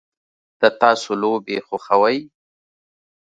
د تاسو لوبې خوښوئ؟